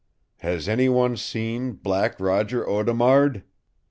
HAS ANY ONE SEEN BLACK ROGER AUDEMARD?"